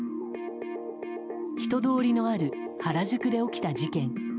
人通りがある原宿で起きた事件。